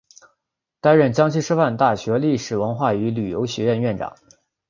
担任江西师范大学历史文化与旅游学院院长。